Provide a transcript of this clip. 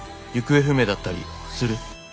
行方不明だったりする？」。